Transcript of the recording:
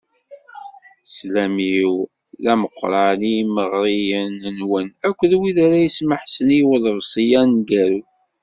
Sslam-iw d ameqqran i yimeɣriyen-nwen akked wid ara yesmeḥsen i uḍebsi-a aneggaru.